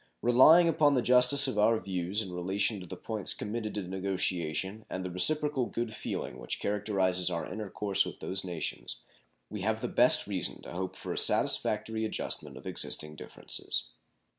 Relying upon the justice of our views in relation to the points committed to negotiation and the reciprocal good feeling which characterizes our intercourse with those nations, we have the best reason to hope for a satisfactory adjustment of existing differences.